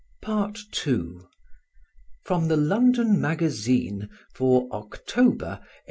] PART II From the London Magazine for October 1821.